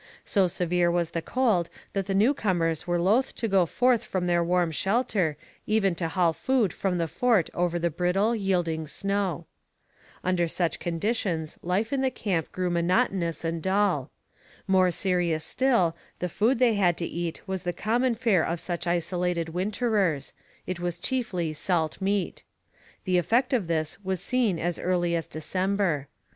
So severe was the cold that the newcomers were loath to go forth from their warm shelter even to haul food from the fort over the brittle, yielding snow. Under such conditions life in the camp grew monotonous and dull. More serious still, the food they had to eat was the common fare of such isolated winterers; it was chiefly salt meat. The effect of this was seen as early as December.